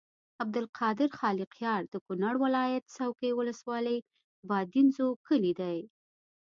عبدالخالق خالقیار د کونړ ولایت څوکۍ ولسوالۍ بادینزو کلي دی.